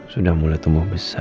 sudah mulai tumbuh besar